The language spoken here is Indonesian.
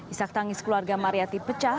ishak tangis keluarga mariyati pecah